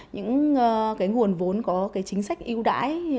những nguồn vốn có chính sách yêu đãi